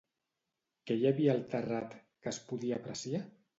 Què hi havia al terrat que es podia apreciar?